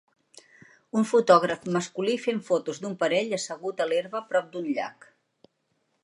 Un fotògraf masculí fent fotos d'un parell assegut a l'herba prop d'un llac.